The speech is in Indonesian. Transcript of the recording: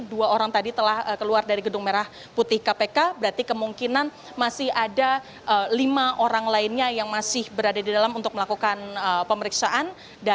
dua orang tadi telah keluar dari gedung merah putih kpk berarti kemungkinan masih ada lima orang lainnya yang masih berada di dalam untuk melakukan pemeriksaan